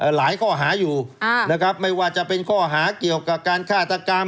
หลายข้อหาอยู่นะครับไม่ว่าจะเป็นข้อหาเกี่ยวกับการฆาตกรรม